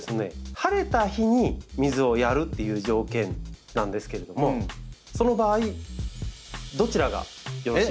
晴れた日に水をやるっていう条件なんですけれどもその場合どちらがよろしいでしょうか？